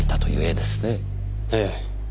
ええ。